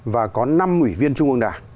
và có năm ủy viên trung ương đảng